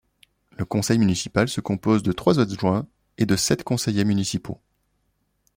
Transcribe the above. Le conseil municipal se compose de trois adjoints et de sept conseillers municipaux.